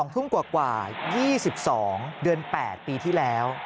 ๒ทุ่มกว่า๒๒เดือน๘ปีที่แล้ว